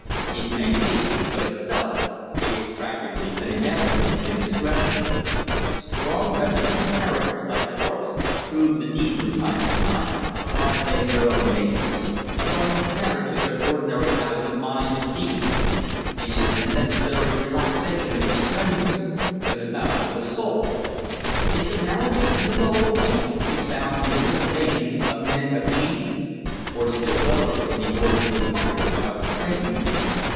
It may be; but if so, it was practically an inevitable indiscretion. Strong, reticent characters like Thorpe's prove the need from time to time of violating their own natures, of running counter to their ordinary habits of mind and deed. It is a necessary relaxation of the strenuous, a debauch of the soul. Its analogy in the lower plane is to be found in the dissipations of men of genius; or still lower in the orgies of fighters out of training.